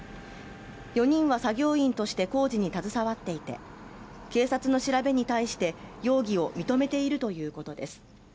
４人は作業員として工事に携わっていて警察の調べに対して容疑を認めているということです